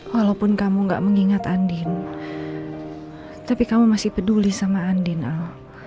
walaupun kamu gak mengingat andin tapi kamu masih peduli sama andin al